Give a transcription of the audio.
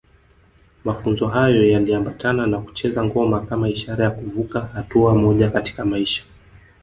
Mafunzo hayo yaliambatana na kucheza ngoma kama ishara ya kuvuka hatua moja katika maisha